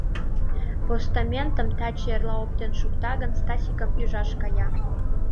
Постаментым таче-эрла оптен шукта гын, Стасикым ӱжаш кая.